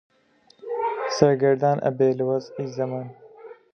سەرگەردان ئەبێ لە وەزعی زەمان